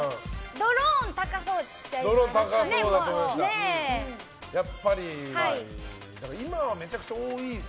ドローン高そうちゃいます？